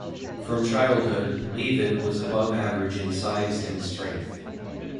From childhood, Leavitt was above average in size and strength.